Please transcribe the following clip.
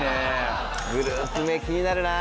グループ名気になるな。